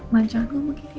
mak janganlah begitu